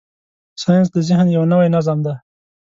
ساینس د ذهن یو نوی نظم دی.